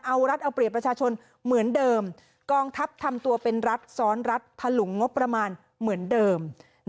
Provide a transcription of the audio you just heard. เอารัฐเอาเปรียบประชาชนเหมือนเดิมกองทัพทำตัวเป็นรัฐซ้อนรัฐถลุงงบประมาณเหมือนเดิม